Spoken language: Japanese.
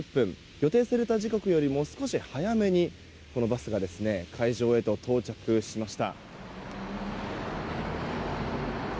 予定された時刻よりも少し早めにこのバスが会場へと到着しました。